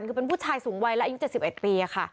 คือเป็นผู้ชายสูงวัยและอายุ๗๑ปีค่ะ